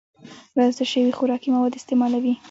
وراسته شوي خوراکي مواد استعمالوي